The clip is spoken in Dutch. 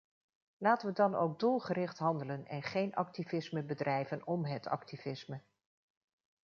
Laten we dan ook doelgericht handelen en geen activisme bedrijven om het activisme.